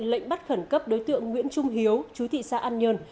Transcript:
lệnh bắt khẩn cấp đối tượng nguyễn trung hiếu chú thị xã an nhơn